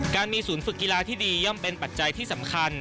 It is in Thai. การมีศูนย์ฝึกกีฬาที่ดีย่อมเป็นปัจจัยที่สำคัญ